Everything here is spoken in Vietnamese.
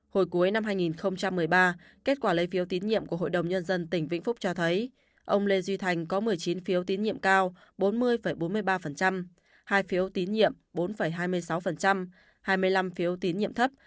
hồi cuối năm hai nghìn một mươi ba kết quả lấy phiếu tín nhiệm của hội đồng nhân dân tỉnh vĩnh phúc cho thấy ông lê duy thành có một mươi chín phiếu tín nhiệm cao bốn mươi bốn mươi ba hai phiếu tín nhiệm bốn hai mươi sáu hai mươi năm phiếu tín nhiệm thấp